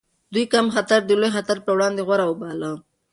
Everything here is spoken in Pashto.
دوی کم خطر د لوی خطر پر وړاندې غوره وباله.